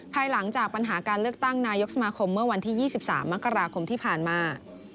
ภายหลังจากปัญหาการเลือกตั้งนายกสมาคมเมื่อวันที่๒๓มกราคมที่ผ่านมา